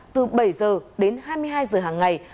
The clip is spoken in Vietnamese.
từ bảy giờ đến hai mươi hai giờ hàng ngày